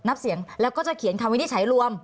นับเสียงแล้วก็จะเขียนคำวินิจฉัยรวม